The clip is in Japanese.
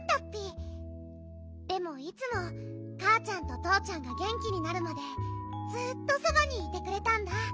でもいつもかあちゃんととうちゃんがげんきになるまでずっとそばにいてくれたんだ。